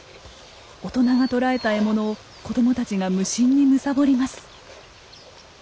大人が捕らえた獲物を子供たちが無心にむさぼります。